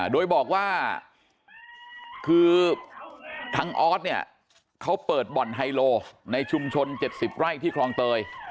โดยบอกว่าคือทางออสเนี่ยเขาเปิดบ่อนไฮโลในชุมชน๗๐ไร่ที่คลองเตย